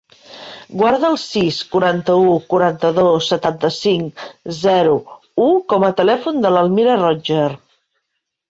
Guarda el sis, quaranta-u, quaranta-dos, setanta-cinc, zero, u com a telèfon de l'Amira Rotger.